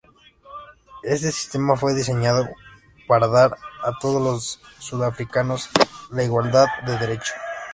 Este sistema fue diseñado para dar a todos los sudafricanos la igualdad de derechos.